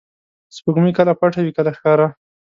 • سپوږمۍ کله پټه وي، کله ښکاره.